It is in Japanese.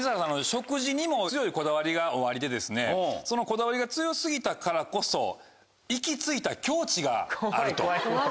食事にも強いこだわりがおありでそのこだわりが強過ぎたからこそ行き着いた境地があると。